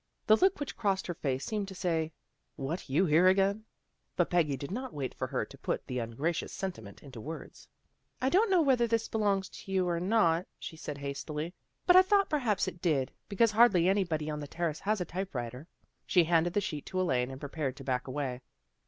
The look which crossed her face seemed to say, " What, you here again? " but Peggy did not wait for her to put the ungra cious sentiment into words. " I don't know whether this belongs to you or not," she said hastily, " but I thought per 46 THE GIRLS OF FRIENDLY TERRACE haps it did, because hardly anybody on the Terrace has a typewriter." She handed the sheet to Elaine and prepared to back away.